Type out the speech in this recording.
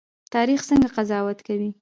تاریخ څنګه قضاوت کوي؟